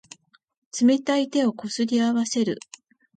冷たい手をこすり合わせる。